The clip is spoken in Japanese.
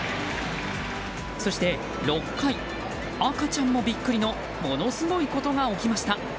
そして、６回赤ちゃんもビックリのものすごいことが起きました。